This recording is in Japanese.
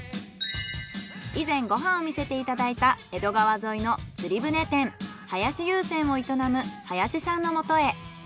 以前ご飯を見せていただいた江戸川沿いの釣り船店林遊船を営む林さんのもとへ。